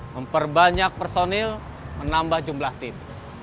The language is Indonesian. memperbanyak personil menambah jumlah tim